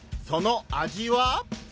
その味は！？